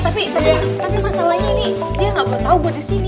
tapi masalahnya nih dia gak perlu tau gue di sini